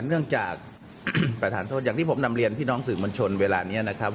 เนื่องจากประธานโทษอย่างที่ผมนำเรียนพี่น้องสื่อมวลชนเวลานี้นะครับ